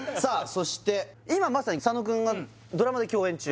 そして今まさに佐野くんがドラマで共演中